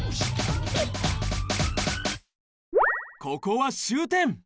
ここは終点。